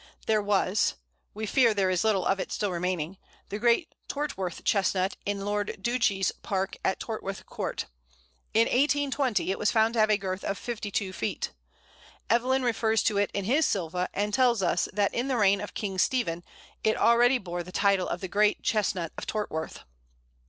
There was we fear there is little of it still remaining the great Tortworth Chestnut in Lord Ducies' park at Tortworth Court. In 1820 it was found to have a girth of fifty two feet. Evelyn refers to it in his "Sylva," and tells us that in the reign of King Stephen it already bore the title of the Great Chestnut of Tortworth.